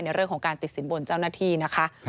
เรื่องของการติดสินบนเจ้าหน้าที่นะคะ